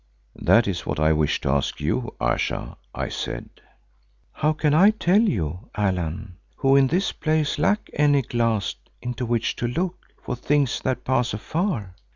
"That is what I wish to ask you, Ayesha," I said. "How can I tell you, Allan, who in this place lack any glass into which to look for things that pass afar.